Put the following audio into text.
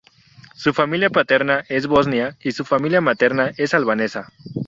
Su familia paterna es bosnia y su familia materna es albanesa.